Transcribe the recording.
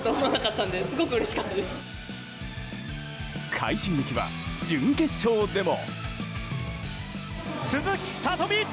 快進撃は準決勝でも。